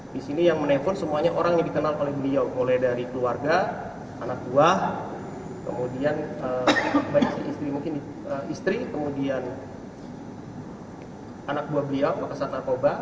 di sini yang menelpon semuanya orang yang dikenal oleh beliau mulai dari keluarga anak buah kemudian baik istri kemudian anak buah beliau makassar narkoba